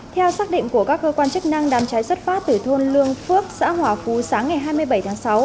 theo xác định của các cơ quan chức năng đám cháy xuất phát từ thôn lương phước xã hòa phú sáng ngày hai mươi bảy tháng sáu